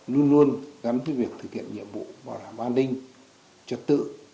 luôn luôn gắn với việc thực hiện nhiệm vụ bảo đảm ban đinh trật tự